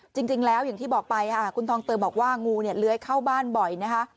จริงแล้วอย่างที่บอกไปค่ะคุณทองเติมบอกว่างูเนี่ยเลื้อยเข้าบ้านบ่อยนะคะ